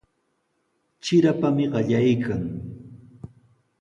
Trirapami qallaykan.